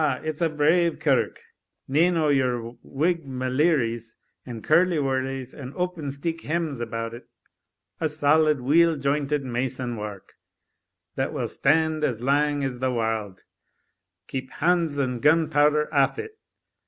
it's a brave kirk nane o' yere whig maleeries and curliewurlies and opensteek hems about it a' solid, weel jointed mason wark, that will stand as lang as the warld, keep hands and gunpowther aff it.